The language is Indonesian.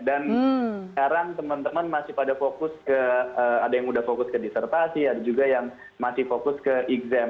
dan sekarang teman teman masih pada fokus ke ada yang udah fokus ke disertasi ada juga yang masih fokus ke exam